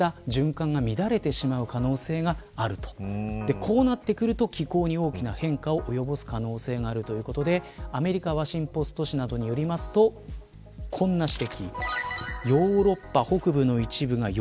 こうなってくると、気候に大きな変化を及ぼす可能性があるということでアメリカワシントン・ポスト紙などによるとこんな指摘。